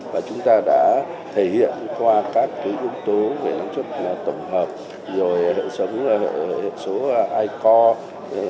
và chúng ta đã thể hiện qua các cái ứng tố về năng chất tổng hợp rồi hệ số i core